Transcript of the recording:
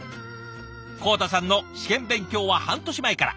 康太さんの試験勉強は半年前から。